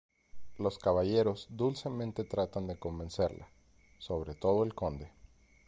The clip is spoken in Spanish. Los caballeros dulcemente tratan de convencerla, sobre todo el conde.